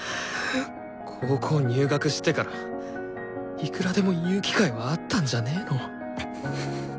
高校入学してからいくらでも言う機会はあったんじゃねの？